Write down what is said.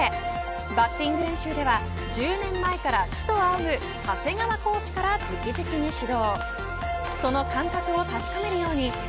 バッティング練習では１０年前から師と仰ぐ長谷川コーチから直々に指導。